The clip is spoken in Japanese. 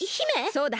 そうだ。